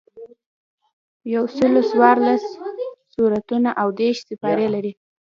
یوسلو څوارلس سورتونه او دېرش سپارې لري.